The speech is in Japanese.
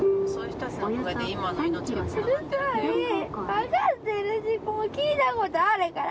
分かってるし聞いたことあるから！